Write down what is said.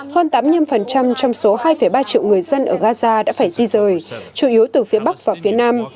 hơn tám mươi năm trong số hai ba triệu người dân ở gaza đã phải di rời chủ yếu từ phía bắc và phía nam